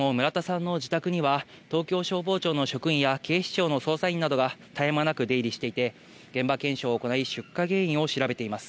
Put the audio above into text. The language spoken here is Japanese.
また、現在も村田さんの自宅には東京消防庁の職員や、警視庁の捜査員などが絶え間なく出入りしていて、現場検証を行い、出火原因を調べています。